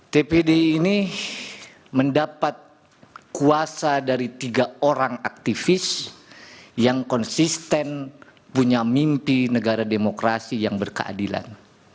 tpd ini mendapat kuasa dari tiga orang aktivis yang konsisten punya mimpi negara demokrasi yang berkeadilan